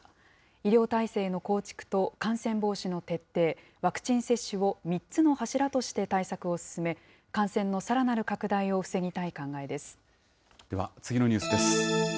医療体制の構築と感染防止の徹底、ワクチン接種を３つの柱として対策を進め、感染のさらなる拡大をでは次のニュースです。